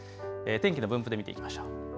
天気の分布で見ていきましょう。